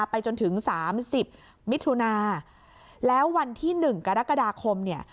ไปจนถึงสามสิบมิถุนาแล้ววันที่หนึ่งกรกฏาคมเนี่ย